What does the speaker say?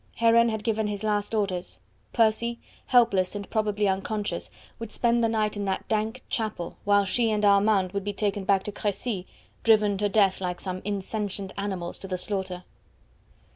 Heron had given his last orders. Percy, helpless and probably unconscious, would spend the night in that dank chapel, while she and Armand would be taken back to Crecy, driven to death like some insentient animals to the slaughter.